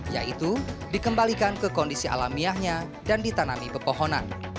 yaitu dikembalikan ke kondisi alamiahnya dan ditanami pepohonan